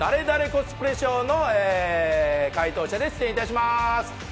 コスプレショーの解答者で出演いたします。